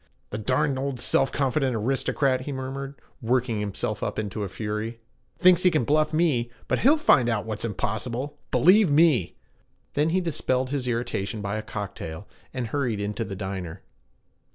'The darned old self confident aristocrat!' he murmured, working himself up into a fury. 'Thinks he can bluff me, but he'll find out what's impossible, believe me!' Then he dispelled his irritation by a cocktail and hurried into the diner.